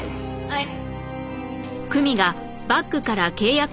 はい。